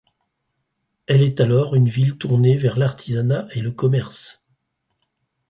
Elle est alors une ville tournée vers l'artisanat et le commerce.